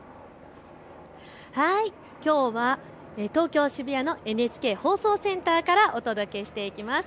きょうは東京渋谷のＮＨＫ放送センターからお届けしていきます。